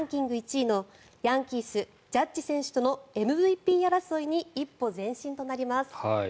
１位のヤンキース、ジャッジ選手とのＭＶＰ争いに一歩前進となります。